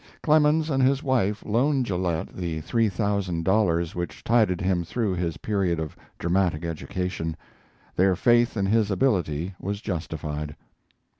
Clemens and his wife loaned Gillette the three thousand dollars which tided him through his period of dramatic education. Their faith in his ability was justified.